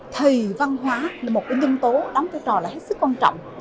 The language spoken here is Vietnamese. thì văn hóa là một nhân tố đóng cái trò là hết sức quan trọng